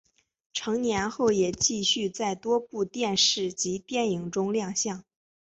成年后也继续在多部电视及电影中亮相。